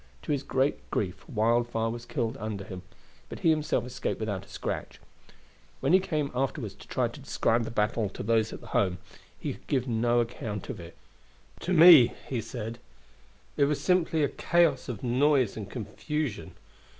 To his great grief Wildfire was killed under him, but he himself escaped without a scratch. When he came afterward to try to describe the battle to those at home he could give no account of it. "To me," he said, "it was simply a chaos of noise and confusion.